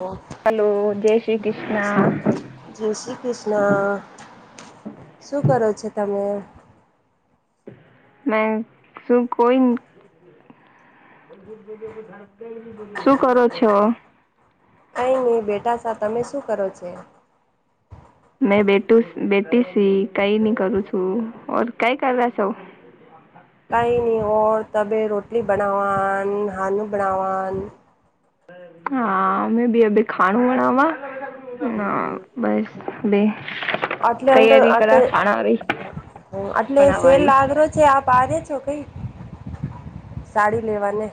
હ, હલો જય શ્રી કૃષ્ણ જય શ્રી કૃષ્ણ. શું કરો છો તમે? મેં, શું કોઈ શું કરો છો? ની બેટા સા તમે શું કરો છે? મેં બેટું સ બેટી સી. કઈ ની કરું છું. ઓર કઈ કરતા છો? હ કંઈ ની હો, તબે રોટલી બનાવાન, હાનુ બનાવાન હા, મે બી અબી ખાણું બણાવા. ના, બસ બે આટલે અંટર તૈયારી કરા આટલે, ખાણારી આટલે શેલ બનાવાની લાગરો છે આ આ રિયા છો કંઈ? સાડી લેવાને.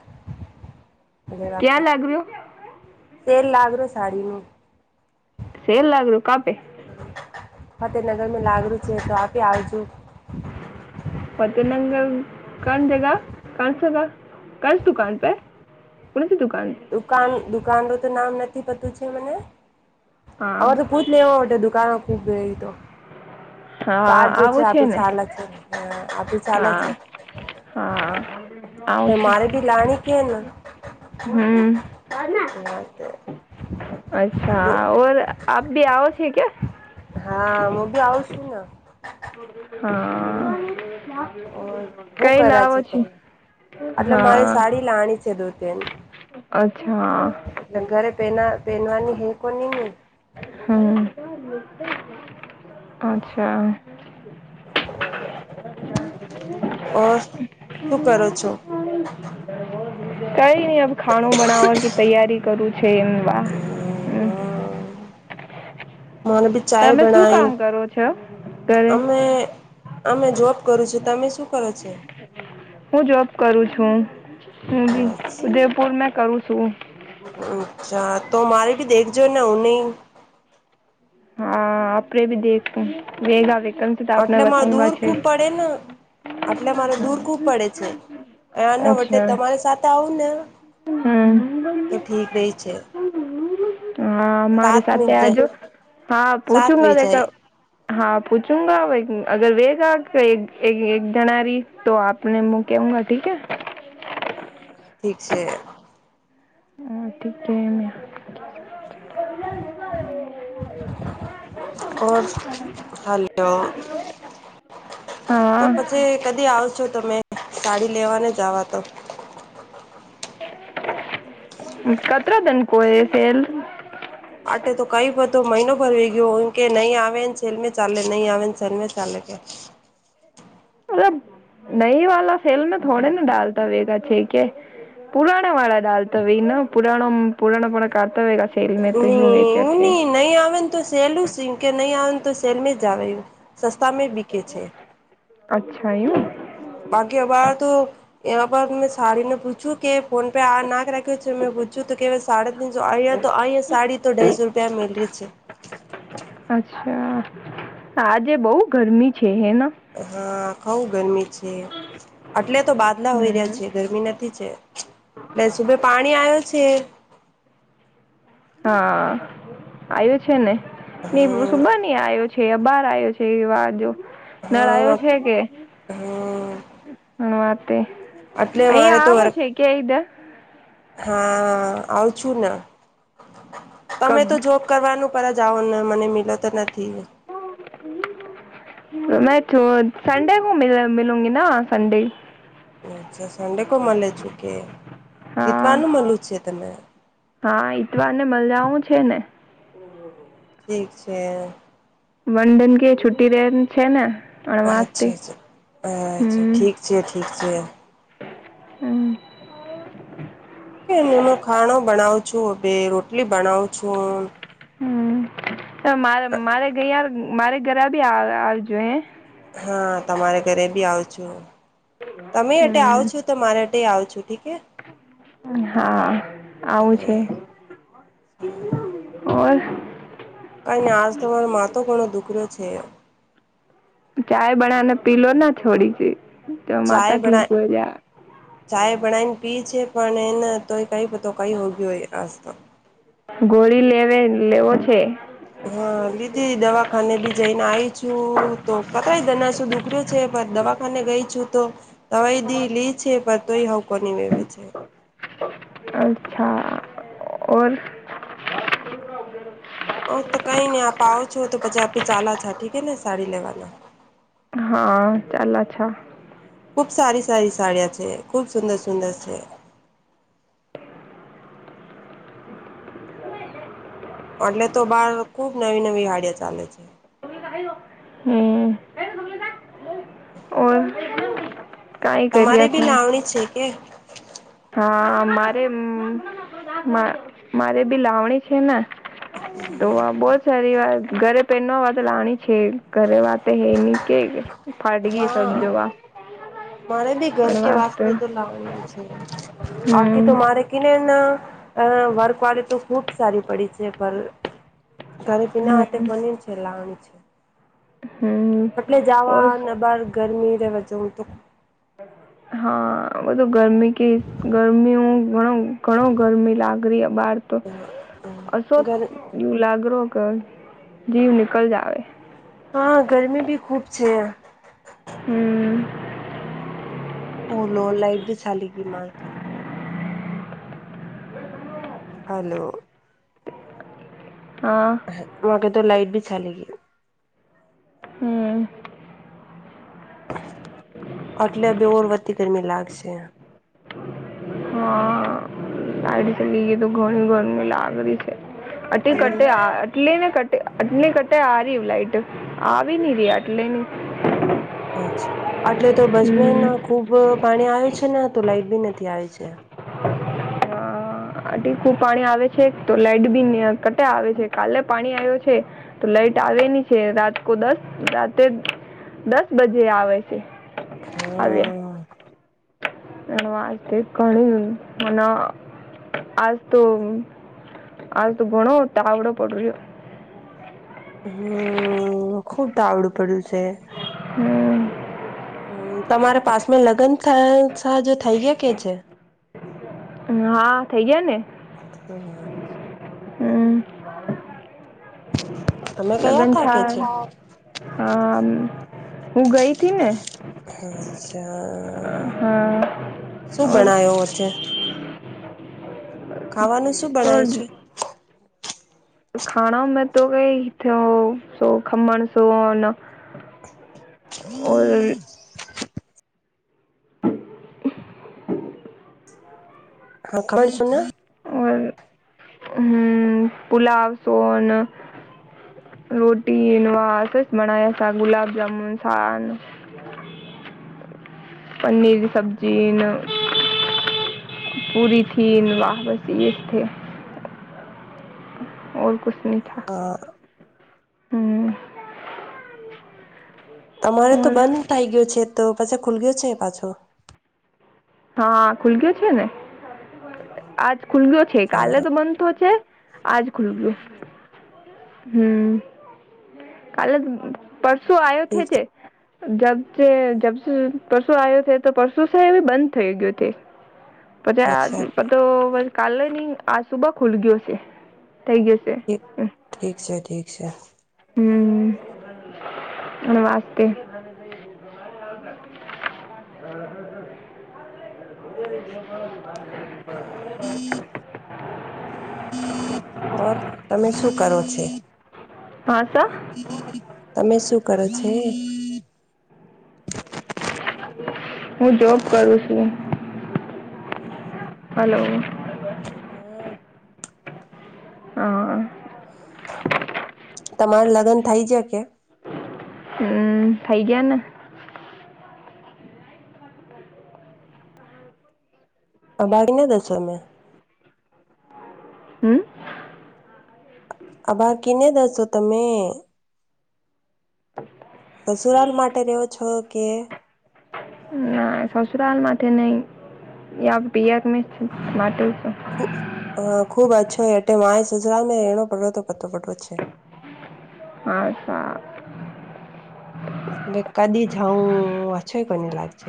લેવા કે ક્યાં લાગ રહ્યો? સેલ લાગરો સાડીનો. સેલ લાગરો કાંપે? ફતેહનગરમાં લાગરું છે, તો આપે આવજો. ફતેનંગર, કોણ જગા, કોણ [unintelligible] કસ દુકાન પે? [unintelligible] છે દુકાન. દુકાન, દુકાન રો તો નામ નથી પતું છે મને. હા હવે તો કૂછ લેવા માટે દુકાનમાં ખૂબ [unintelligible] તો તો હા આજો છે આવું આપી ને હાલ છે હ આપી ચાલે છે, હા હા આવું રે છે મારે બી લાણી. કિહે ના. હમ અચ્છા, ઔર આપ ભી આઓ છે ક્યા? હા, મુું બી આવું છું ન! હા. ઓર હું કઈ કરા લાવો છે છી? તમે એટલે મારે હા સાડી લાણી છે દો તન અચ્છા. બેનવાની હે કો ની ને. હં, અચ્છા. [inaudible] ઓર, શું કરો છો? કઈ ની, અબ ખાણું બનાવવાકી તૈયારી કરું છેએબ હ [unintelligible] હા મને ભી ચા શું કામ કરો છો ઘરે બનાાય. અમે જોબ કરું છે તો તમે શું કરો છે? હું જોબ કરું છું હું ઉદયપુર મે કરું છું. અચ્છા તો મારે ભી દેખજો ને [inaudible] હા આપણેે ભી દેખું વેગા વે [inaudible] એટલે મારે દૂર ખુબ પડે ને એટલે મારે દૂર ખુબ પડે છે આના અચ્છા [unintelligible] તમારી સાથે આવું ને? હમ તો ઠીક રહે છે. હા મારી સાત સાથે મિનિટ આજો જાય હા સાત પૂછું વી મા જાય [unintelligible] હા પૂછુંંગા અગર [unintelligible] વેગ [inaudible] જણારી તો આપનેું કું [inaudible] ઠીકે. ઠીક છે. હ તિકે મે [unintelligible] [inaudible] ઓર [unintelligible] હાલો [inaudible] તો પછી કદી આવશો તમે? સાડી લેવાને જવા તો કતરા દન [inaudible] કોઈ ફલ [unintelligible] આટ તો કઈ બધ મહિનો ભરવી ગયો કે નહી આવે ને છેલમે ચાલે નહી આવે ને છેલમે ચાલે [inaudible] મબ [inaudible] નહી વાા ફેલ [inaudible] મે થોડે નાને ડાલ દ [inaudible] વવેગા છેકે [inaudible] પુરાણ વાળા દાલ તોવે ના પુરાણો પુરાણો પણ [unintelligible] ન એું નહ નહી આવે ને તો સહેલું છે કે નહી આવે ને તો સલમે જવું સસ્તામાં બિકે છે. અચ્છા એમ. બાકી અર તો એવા પર મેં સાારીને પૂછ્યું કે ફોન પે આ નાખ રાખ્યો છે મેં પૂછ્યું કે સાડા તનસો અહીિયાયા તો અહીિયાં સાડી થઈસો [inaudible] રૂપિયા મેળ [inaudible] છેે. અચ્છા આજે બહુ ગરમી છે. હેના હા બહુ ગરમી છે. એટલે તો બાદલા હોય રહ્યા હમ. છે ગરમી નથી છે એટલે સુબહે પાણી આવ્યો છે. છે. હા આવ્યો છે ને નહીં હા સુબહ નહીં આવ્યો છે. છે બાર આવયો છે વાહો [inaudible] નળાયો હા છે કે હા હ વાત [unintelligible] એટલે મારે અહિયાં તો આવો વર્ક છે કધા [unintelligible] હા આવું છું ને કબ તમે તો જોબ કરવાનું પર જાઓને મને [inaudible] તો નથી નથી મેં તો સન્ડે કો મલુંંગી ના સન્ડે અચ્છા સન્ડે મળે છુ કે હા જીતવાનું મળલ છે તમે હા ઈતવાર ને મલ જાઉં છે ને ઠીક છે. વંંદન કે છુટી રહે છે ને અચ્છા અણવાસથી અચ્છા અચ્છા હમ ઠી છે ઠી છે. હમ. કેને હું ખાણો બનાવ છું હું રોટલી બનાવું છું. હમ મારે મારે મારે ઘર બી આવજો. હા તમારે ઘરે બી આવ છો તમે એ આવ છો હમ તો મારે તે આવ છો ઠીક. હા આવું છે. કઈ ને આજ તમારો મા તો ઘણો દુખરોયો છે. ચાય બના ને પીલો ના છોડી છેઈ. ચાય બના ચાય બનાને પી છેે. ણેને તો કઈ પતો કઈ હોગય હોય આજ તો. ગોળી લે લેવો છે. હા દીદી દવાખાને બી જઈને આવીઈ છું તો કતય દનાસો દુખ્યો. છે પણ દવાખાને ગઈ છું તો. તવયદી લી છે પર તોય હકોની વવે છે. અચ્છા ઓર. હ તો કઈ નહી આપ આવો છો તો પછી આપે ચાલા છા ઠીકે ને સાડી લેવાના. હા ચાલ અછા. ખુબ સારી સારી સાડિયા છે ખૂબ સુંદર સુંદર છે. એટલે તો બહાર ખુબ નવી નવી ગાડિયા ચાલે છે. હમ્મ, ઓર. કાંઈ તમારે કર્યા ભી છો લાવણી છે કે? હા મારે મારે બી લાવણી છે ને. તો વા બહ જ સારી વાત ઘરે પહેનનો વા તો લાણી. છે ઘરે વાત હે નની કે ફાટગી સબ હા જોવા. મારે બી ઘર કે વાસ્તે તો લવાનું છે બાકી હમ તો મારે કને અ વર્કવાળી તો ખુબ સારી પડી છે પર. ઘરી બીનાતે હમ કોની છે લાવણી છે. એટલે હમ ઓર જવાને બાર ગરમી રહેવા હું તો. હા બધું ગરમી ક ગરમી ઘણ ઘણો ગરમી લાગ ર. બાર તો અ ગર લાગરો. જીવ નિકલ જાવ. હા ગરમી ભી ખૂબ છે. હમ. ઓલો લઇટ બી ચાલી ગી મા. હલો. હા વ કે તો લાઇટ ભી ચાલે ગ. હમ. આટલે બે ઓર વધતી ગરમી લાગશે. હા લાડી ચ લઈએ તો ઘણી ગરમી લાગડી છે. આટલી હમ કટે આ આટલી ને ક આટલી કટ આ ર લાઈટ, આવી ની ર આટલે નની. અચ્છા આટલે તો બચમેન ખુબ પાણી આવ્યું છે ને. લાઈટ બી નથી આવી છે. ખ પાણી આવે છે તો લાઈટ બી કટા આવે છે કાલે પાણી આવ્યો છે, તો લાઈટ ની છે રાતકો દસ રાતે દસ બજે આવે છે. અવેે. હા હજ કણી મ આજ તો આ તો ગણો તાવાવડા પોડયો. હમ ખુબ તાવડું પડ્યું છે. હ તમારે પાસ મે લગ્ન થાય. ઉત્સાહ જો થઈ ગયા કે છે? હા થઇ જયા ને. હમ હમ. હા [inaudible] લગ્ન છ, હ હું ગઈ હતી ને. અચ્છા હા શું બણો છે? ખાવાનું શું ભણાય છે? ખાના મે તો કેઈ સો ખમણ સોન હ ઓર હા ખબર સુું હમ્મ, પુલાબ સોન રોટીવા અસ બનાયા છ ગુલાબજામુન, છાન હ પનીર સબજી ને પૂરીથી વાહ બસ એ જ થ. ઓર કુછ નઈ. હા. હમ્મ. તમારે તો બંધ થઇ ગયો છે તો પછી ખુલ ગયો છે પાછો. હા ખુલ ગયો છે ને આજ ખુલ ગયો છે કાલે હા તો બંધ તો છે. આજ ખુલ ગું હમ્મ કલે જ પર પરસો આયો થે ઠીક તે જબ છે જબ પરસુ આયો તો પરસુ સે બંધ થય ગયો તે. પછી આજ અચ્છા તો ઠીક બધ કાલે ની આજ સુુબા ખુલ ગયો છે. થઈ ગયો છે ઠીક છે ઠીક છે. હમ્મ, ન વસ્તે. [inaudible] [inaudible] ઓર તમે શું કરો છે? હા સર તમે શું કરો છે? હું જોબ કરું છું. હાલો. હા હા. તમારે લગ્ન થઇ ગયા કે? હમ્મ, થઈ ગયા ને. અ બાકીના દસોમે. હમ્મ. આ બાકીને દસો તમે? સસુરાલ માટે રવો છો કે? સસરાલ માટેથે નહી પિયર ન માટે. હા ખુબ અચછો એટે માય સજરા ને એનો પડવો તો પતો પડવો છે. હચ્ચાં. બે કદી જવ છો કોને લાગજ.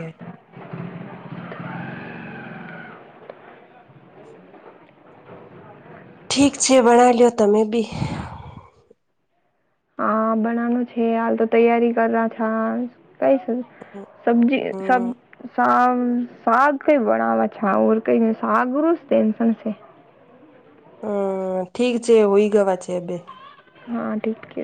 ઠીક છે ભણ લોયો તમે બી. હા બનાવાનું છે હાલ તો તૈયારી કરા છા કઈ. સબજી સબ હમ શ શગ કઈ બણવા છેર કઈ સાગું ટેન્શન છે. હમ્મ ઠીક છે હોય ગવા છે બે. હા ઠીક છે.